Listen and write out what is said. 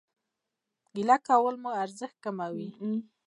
ګيله کول مو ارزښت کموي